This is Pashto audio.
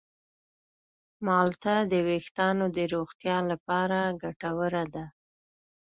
مالټه د ویښتانو د روغتیا لپاره ګټوره ده.